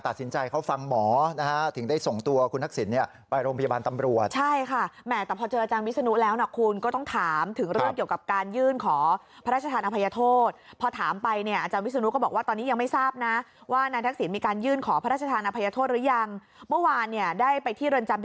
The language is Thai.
ตัดสินใจเองโดยปรึกษากับแพทย์